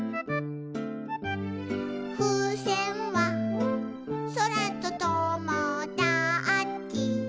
「ふうせんはそらとともだち」